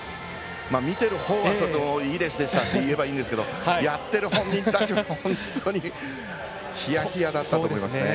見てるほうはいいレースでしたって言えばいいんですけどやってる本人たちは本当にひやひやだったと思いますね。